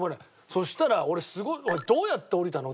そしたら俺すごい「どうやって下りたの？」